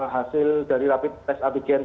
hasil dari rapid test antigen